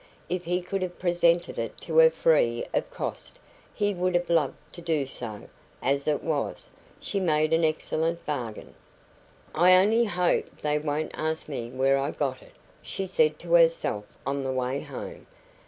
If he could have presented it to her free of cost, he would have loved to do so; as it was, she made an excellent bargain. "I only hope they won't ask me where I got it," she said to herself on the way home.